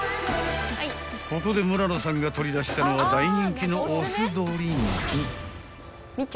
［ここで村野さんが取り出したのは大人気のお酢ドリンク］